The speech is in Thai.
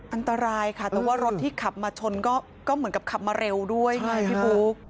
อันตรายค่ะแต่ว่ารถที่ขับมาชนก็เหมือนกับขับมาเร็วด้วยไงพี่บุ๊ค